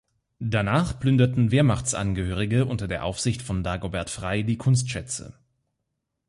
Danach plünderten Wehrmachtsangehörige unter der Aufsicht von Dagobert Frey die Kunstschätze.